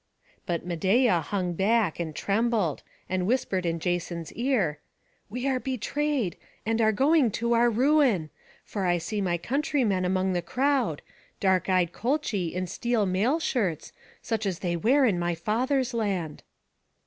But Medeia hung back, and trembled, and whispered in Jason's ear, "We are betrayed, and are going to our ruin; for I see my countrymen among the crowd; dark eyed Colchi in steel mail shirts, such as they wear in my father's land."